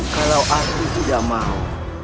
kalau aku tidak mau